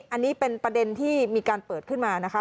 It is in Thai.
อันนี้เป็นประเด็นที่มีการเปิดขึ้นมานะคะ